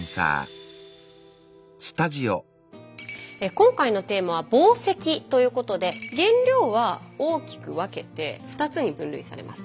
今回のテーマは「紡績」ということで原料は大きく分けて２つに分類されます。